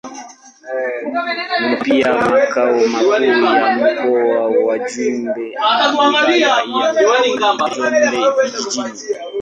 Ni pia makao makuu ya Mkoa wa Njombe na Wilaya ya Njombe Vijijini.